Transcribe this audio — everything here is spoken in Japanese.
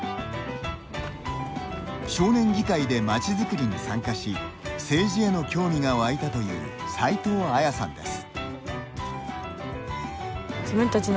少年議会でまちづくりに参加し政治への興味が湧いたという齋藤愛彩さんです。